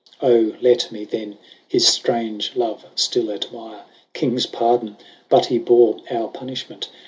Oh let mee then, his ftrange love ftill admire : Kings pardon, but he bore our punimment.